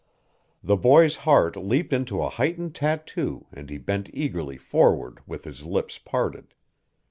The boy's heart leaped into a heightened tattoo and he bent eagerly forward with his lips parted.